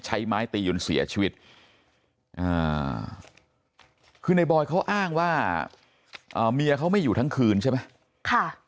ใช้ไม้ตีจนเสียชีวิตคือในบอยเขาอ้างว่าเมียเขาไม่อยู่ทั้งคืนใช่ไหม